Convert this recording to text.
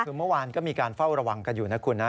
คือเมื่อวานก็มีการเฝ้าระวังกันอยู่นะคุณนะ